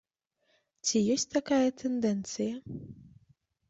Ці ёсць такая тэндэнцыя?